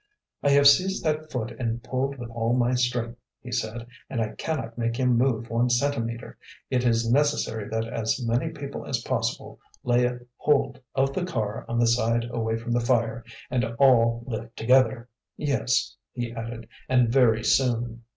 "I have seized that foot and pulled with all my strength," he said, "and I cannot make him move one centimetre. It is necessary that as many people as possible lay hold of the car on the side away from the fire and all lift together. Yes," he added, "and very soon!"